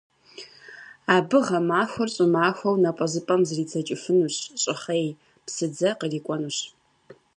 Абы гъэмахуэр щӀымахуэу напӀэзыпӀэм зридзэкӀыфынущ, щӀыхъей, псыдзэ кърикӀуэнущ.